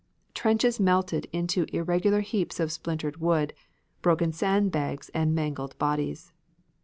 Trenches melted into irregular heaps of splintered wood, broken sand bags and mangled bodies.